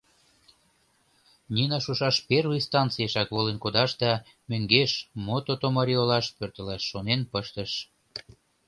Нина шушаш первый станциешак волен кодаш да мӧҥгеш Мототомари олаш пӧртылаш шонен пыштыш.